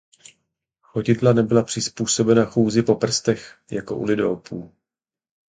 Chodidla nebyla přizpůsobena chůzi po prstech jako u lidoopů.